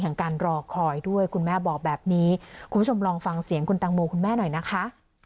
การรอคอยด้วยคุณแม่บอกแบบนี้คุณผู้ชมลองฟังเสียงคุณตังโมคุณแม่หน่อยนะคะ